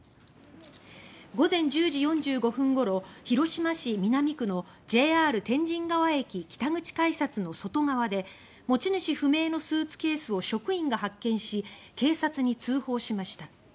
午前１０時４５分ごろ広島市南区のＪＲ天神川駅北口改札の外側で持ち主不明のスーツケースを職員が発見し警察に通報しました。